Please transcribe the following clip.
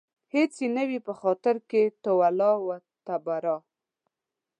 هېڅ يې نه وي په خاطر کې تولاً و تبرا